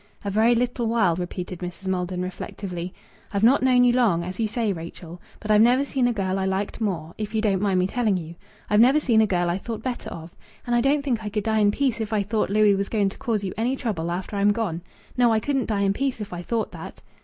"A very little while!" repeated Mrs. Maldon reflectively. "I've not known you long as you say Rachel. But I've never seen a girl I liked more, if you don't mind me telling you. I've never seen a girl I thought better of. And I don't think I could die in peace if I thought Louis was going to cause you any trouble after I'm gone. No, I couldn't die in peace if I thought that."